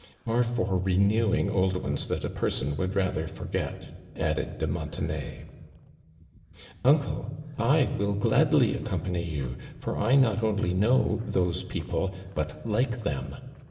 " (.)r for renewing old ones that a person would rather forget," added de Montenay. "Uncle, I will gladly accompany you, for I not only know ' those people ' but like them